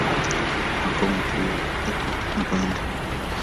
Makao makuu yako Mpanda.